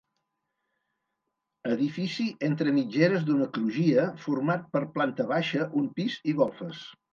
Edifici entre mitgeres d'una crugia, format per planta baixa, un pis i golfes.